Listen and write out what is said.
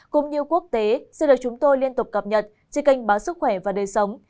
cũng như quốc tế xin được chúng tôi liên tục cập nhật trên kênh báo sức khỏe và đời sống